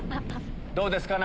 どうですか？